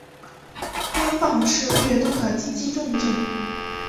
庵埠是粤东的经济重镇。